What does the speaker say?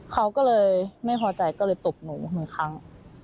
เขาก็เลยไม่พอใจก็เลยตบหนูหนึ่งครั้ง